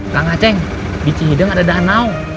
kak ngaceng di cihideng ada danau